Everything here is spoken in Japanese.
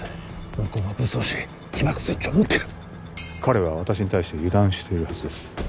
向こうは武装し起爆スイッチを持ってる彼は私に対して油断しているはずです